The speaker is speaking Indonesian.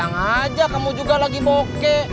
hilang aja kamu juga lagi bokeh